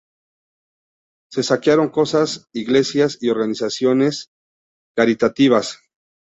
Se saquearon casas, iglesias y organizaciones caritativas.